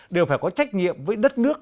đều phải có trách nhiệm với đất nước